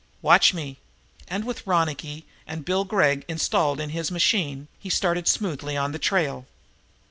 "Watch me!" And, with Ronicky and Bill Gregg installed in his machine, he started smoothly on the trail.